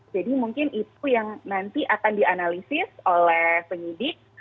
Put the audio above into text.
jadi mungkin itu yang nanti akan dianalisis oleh penyidik